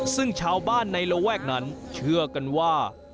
ซึ่งชาวบ้านในระแวกนั้นเชื่อกันว่า